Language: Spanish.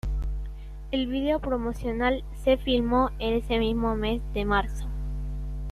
El video promocional se filmó ese mismo mes de marzo.